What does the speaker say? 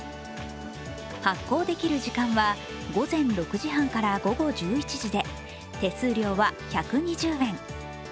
発行できる時間は午前６時半から午後１１時で手数料は１２０円。